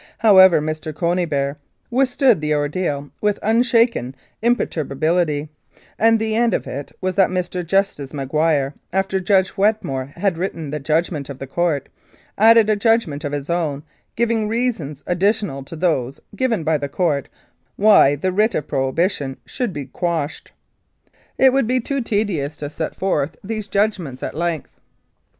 However, Mr. Conybeare with stood the ordeal with unshaken imperturbability, and the end of it was that Mr. Justice Maguire, after Judge Wetmore had written the judgment of the Court, added a judgment of his own giving reasons additional to those given by the Court why the Writ of Prohibition should be quashed. It would be too tedious to set forth 138 Mounted Police Law these judgments at length.